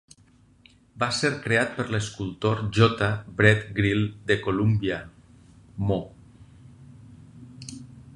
Va ser creat per l'escultor J. Brett Grill de Columbia, Mo.